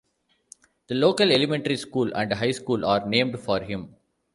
The local elementary school and high school are named for him.